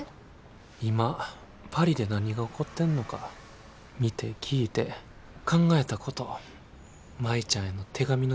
今パリで何が起こってんのか見て聞いて考えたこと舞ちゃんへの手紙のつもりで書いてる。